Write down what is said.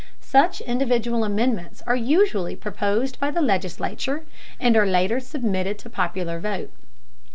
Such individual amendments are usually proposed by the legislature and are later submitted to popular vote.